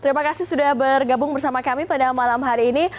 terima kasih sudah bergabung bersama kami pada malam hari ini